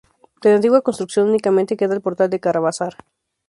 De la antigua construcción únicamente queda el portal del caravasar.